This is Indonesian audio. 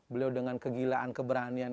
beliau dengan kegilaan keberanian